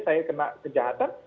saya kena kejahatan